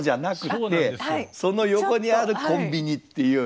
その横にあるコンビニっていう。